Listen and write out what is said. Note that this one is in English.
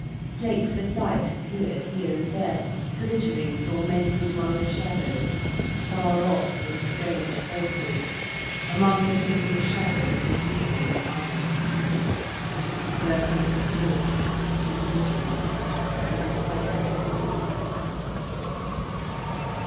Flakes of light appeared here and there, glittering tormented among the shadows, far off, in strange places; among the dripping shadow of the willow on the island. Birkin stood and listened and was satisfied.